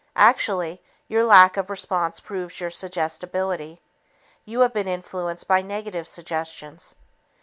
Actually, your lack of response proves your suggestibility. You have been influenced by negative suggestions.